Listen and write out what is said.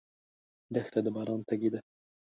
دښته د باران تږې ده.